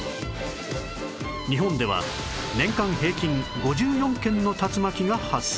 日本では年間平均５４件の竜巻が発生